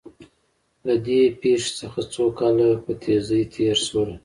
له دې پېښې څخه څو کاله په تېزۍ تېر شول